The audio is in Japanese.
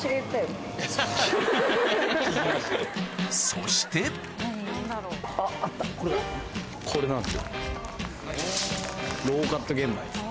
そしてこれなんですよ。